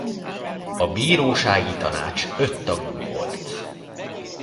A bírósági tanács öt tagú volt.